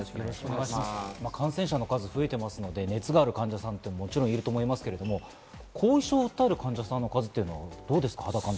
感染者の数が増えていますので、熱がある患者さんなどもいると思いますけれども、後遺症を訴える方というのは来ていますか？